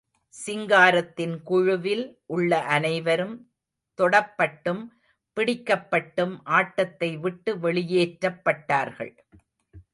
சிங்காரத்தின் குழுவில் உள்ள அனைவரும் தொடப்பட்டும், பிடிக்கப்பட்டும் ஆட்டத்தை விட்டு வெளியேற்றப்பட்டார்கள்.